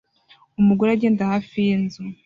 Umugore agenda hafi yinzu